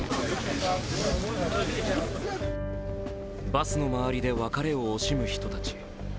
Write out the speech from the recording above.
バスの周りで別れを惜しむ人たち。